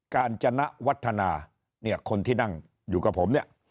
การจณวัฒนาเนี่ยคนที่นั่งอยู่กับผมเนี่ย